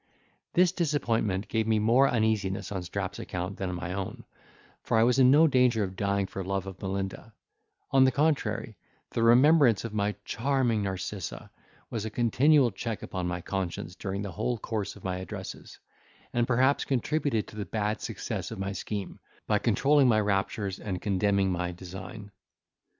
This disappointment gave me more uneasiness on Strap's account than my own, for I was in no danger of dying for love of Melinda; on the contrary, the remembrance of my charming Narcissa was a continual check upon my conscience during the whole course of my addresses; and perhaps contributed to the bad success of my scheme, by controlling my raptures and condemning my design.